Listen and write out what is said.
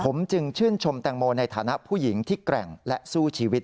ผมจึงชื่นชมแตงโมในฐานะผู้หญิงที่แกร่งและสู้ชีวิต